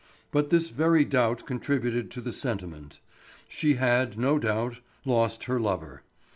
But this very doubt contributed to the sentiment. She had, no doubt, lost her lover.